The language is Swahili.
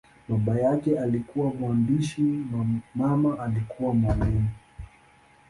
Baba yake alikuwa mwandishi, mama alikuwa mwalimu.